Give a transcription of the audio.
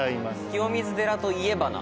清水寺といえばな。